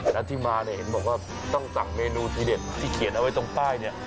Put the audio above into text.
แล้วที่มาเนี่ยเห็นบอกว่าต้องสั่งเมนูทีเด็ดที่เขียนเอาไว้ตรงป้ายเนี่ย